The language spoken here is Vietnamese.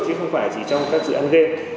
chứ không phải chỉ trong các dự án game